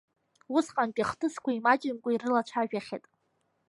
Усҟантәи ахҭысқәа имаҷымкәа ирылацәажәахьеит.